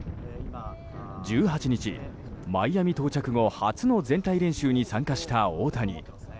１８日、マイアミ到着後初の全体練習に参加した大谷。